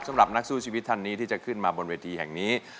สำหรับนักสู้ชีวิตท่านนี้ที่จะขึ้นมาบนเวทีแห่งนี้